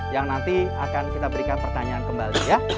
yang nanti akan kita berikan pertanyaan kembali ya